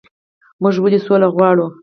موږ ولې سوله غواړو؟